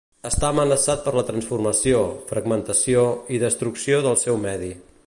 Està amenaçat per la transformació, fragmentació i destrucció del seu medi.